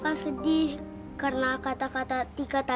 besar besaran kalo merasa takut